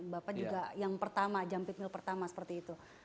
bapak juga yang pertama jam pit mill pertama seperti itu